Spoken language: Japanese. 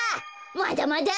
まだまだ！